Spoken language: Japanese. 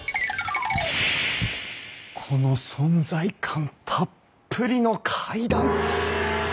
この存在感たっぷりの階段！